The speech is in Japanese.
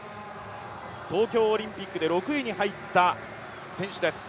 東京オリンピックで６位に入った選手です。